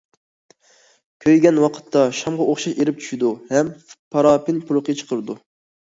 كۆيگەن ۋاقىتتا شامغا ئوخشاش ئېرىپ چۈشىدۇ ھەم پارافىن پۇرىقى چىقىرىدۇ.